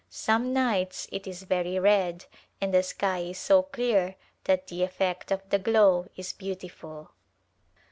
Some nights it is very red and the sky is so clear that the effect of the glow is beautiful.